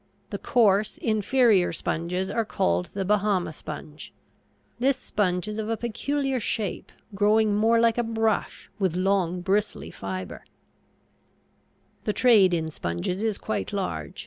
The coarse inferior sponges are called the Bahama sponge. This sponge is of a peculiar shape, growing more like a brush, with long bristly fiber. The trade in sponges is quite large.